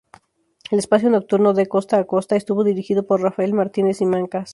El espacio nocturno "De costa a costa" estuvo dirigido por Rafael Martínez-Simancas.